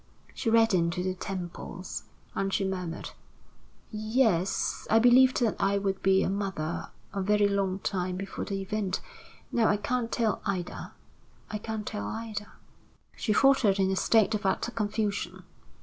She reddened to the temples, and she murmured: "Yes, I believed that I would be a mother a very long time before the event. Now I can't tell either I can't tell either " She faltered in a state of utter confusion.